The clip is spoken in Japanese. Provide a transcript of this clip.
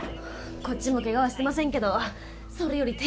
こっちも怪我はしてませんけどそれより停電ですよ。